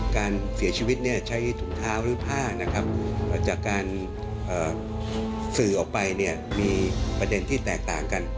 การเสียชีวิตใช้ถุงเท้าหรือผ้านะครับจากการสื่อออกไปเนี่ยมีประเด็นที่แตกต่างกัน